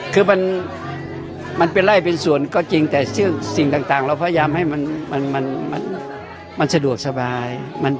คือมันเป็นไล่เป็นส่วนก็จริงแต่สิ่งต่างเราพยายามให้มันสะดวกสบาย